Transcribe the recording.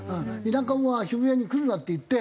「田舎もんは渋谷に来るな」って言って。